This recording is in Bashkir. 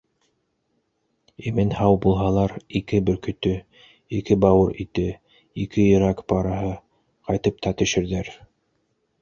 Имен-һау булһалар, ике бөркөтө, ике бауыр ите, ике йөрәк параһы, ҡайтып та төшөрҙәр.